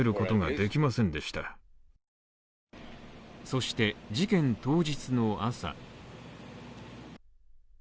そして、事件当日の朝。